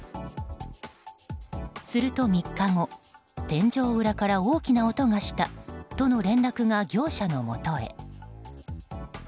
すると、３日後天井裏から大きな音がしたとの連絡が業者の元へ。